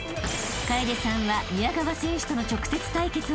［楓さんは宮川選手との直接対決を制し